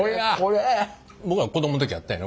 僕ら子供の時あったよね